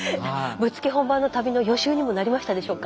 ぶっつけ本番の旅の予習にもなりましたでしょうか？